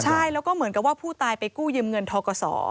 ใช่แล้วก็เหมือนกับว่าผู้ตายไปกู้ยืมเงินทกศ